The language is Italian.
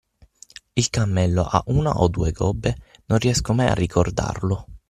Il cammello ha una o due gobbe? Non riesco mai a ricordarlo.